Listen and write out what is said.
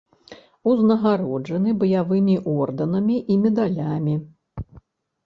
Узнагароджаны баявымі ордэнамі і медалямі.